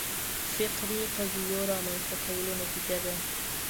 فکري قضیو رامنځته کولو نتیجه ده